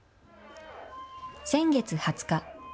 先月２０日。